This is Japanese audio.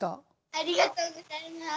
ありがとうございます！